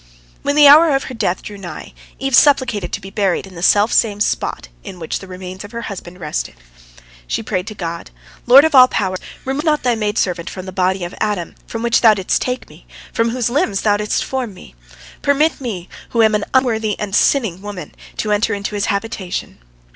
When the hour of her death drew nigh, Eve supplicated to be buried in the selfsame spot in which the remains of her husband rested. She prayed to God: "Lord of all powers! Remove not Thy maid servant from the body of Adam, from which Thou didst take me, from whose limbs Thou didst form me. Permit me, who am an unworthy and sinning woman, to enter into his habitation.